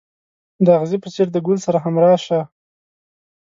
د اغزي په څېر د ګل سره همراز شه.